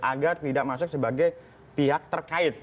agar tidak masuk sebagai pihak terkait